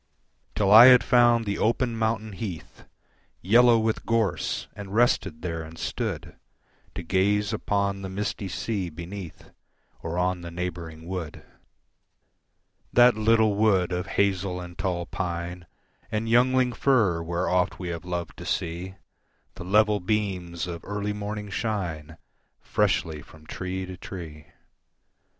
Till I had found the open mountain heath Yellow with gorse, and rested there and stood To gaze upon the misty sea beneath, Or on the neighbouring wood, That little wood of hazel and tall pine And youngling fir, where oft we have loved to see The level beams of early morning shine Freshly from tree to tree.